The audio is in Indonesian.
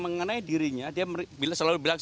mengenai dirinya dia selalu bilang